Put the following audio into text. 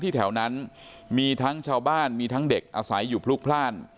แถวนั้นมีทั้งชาวบ้านมีทั้งเด็กอาศัยอยู่พลุกพลาด